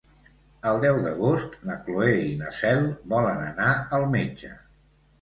El deu d'agost na Cloè i na Cel volen anar al metge.